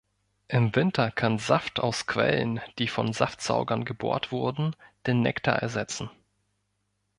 Im Winter kann Saft aus Quellen, die von Saftsaugern gebohrt wurden, den Nektar ersetzen.